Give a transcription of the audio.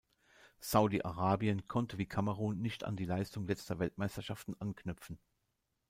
Saudi-Arabien konnte wie Kamerun nicht an die Leistung letzter Weltmeisterschaften anknüpfen.